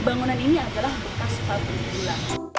bangunan ini adalah khas pabrik gula